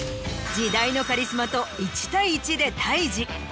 時代のカリスマと１対１で対峙。